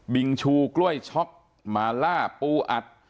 ิงชูกล้วยช็อกมาล่าปูอัด